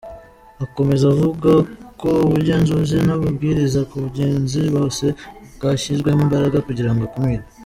Akomeza avuga ko ubugenzuzi n’amabwiriza ku bagenzi bose bwashyizwemo imbaraga kugirango ikumirwe.